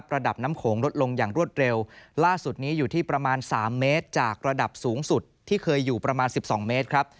ระดับน้ำโขงลดลงอย่างรวดเร็วล่าสุดนี้อยู่ที่ประมาณสามเมตรจากระดับสูงสุดที่เคยอยู่ประมาณ๑๒เมตรครับ